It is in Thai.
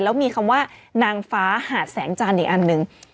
แล้วมีคำว่านางฟ้าหาดแสงจันทร์อีกอันหนึ่ง